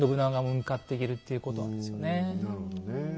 なるほどねえ。